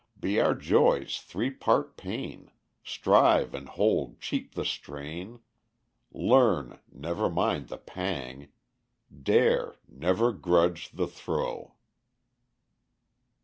Be our joys three parts pain, Strive and hold cheap the strain, Learn, never mind the pang; dare, never grudge the throe!"